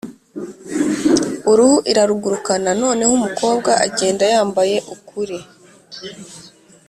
uruhu irarugurukana. noneho umukobwa agenda yambaye ukuri